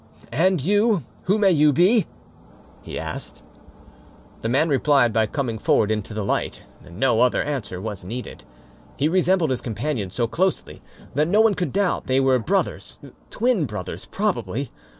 "And you, who may you be?" he asked. The man replied by coming forward into the light: no other answer was needed. He resembled his companion so closely that no one could doubt they were brothers twin brothers, probably.